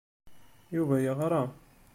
Yuba yeɣra.